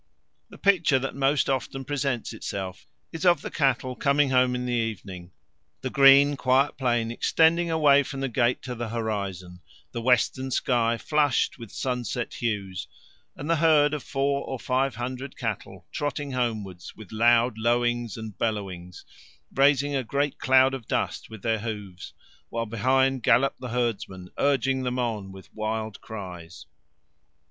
The picture that most often presents itself is of the cattle coming home in the evening; the green quiet plain extending away from the gate to the horizon; the western sky flushed with sunset hues, and the herd of four or five hundred cattle trotting homewards with loud lowings and bellowings, raising a great cloud of dust with their hoofs, while behind gallop the herdsmen urging them on with wild cries.